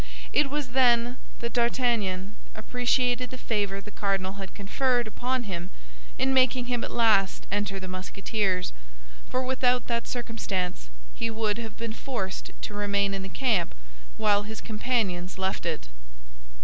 It was then that D'Artagnan appreciated the favor the cardinal had conferred upon him in making him at last enter the Musketeers—for without that circumstance he would have been forced to remain in the camp while his companions left it.